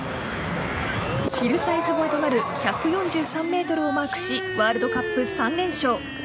ヒルサイズ越えとなる１４３ｍをマークしワールドカップ３連勝。